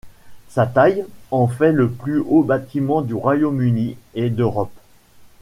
Sa taille en fait le plus haut bâtiment du Royaume-Uni et d'Europe.